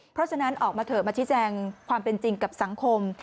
เพราะฉะนั้นออกมาเถอะมาชี้แจงความเป็นจริงกับสังคม